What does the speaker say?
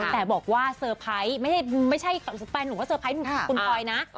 แต่บอกว่าเซอร์ไพรส์ไม่ใช่แฟนหนูก็เซอร์ไพรส์คุณพลอยนะ